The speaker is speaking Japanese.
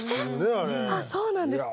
あれそうなんですか？